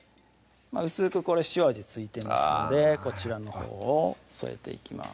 薄くこれ塩味付いてますのでこちらのほうを添えていきます